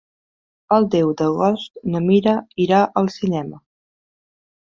El deu d'agost na Mira irà al cinema.